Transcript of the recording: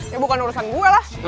ya bukan urusan gue lah